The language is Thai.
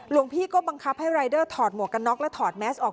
หลวงพี่ก็บังคับให้รายเดอร์ถอดหมวกกันน็อกและถอดแมสออก